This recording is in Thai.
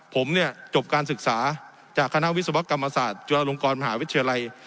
ผมเนี่ยจบการศึกษาจากคณะวิศวกรรมศาสตร์จุฬาลงกรมหาวิทยาลัย